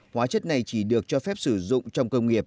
hóa chất này chỉ được cho phép sử dụng trong công nghiệp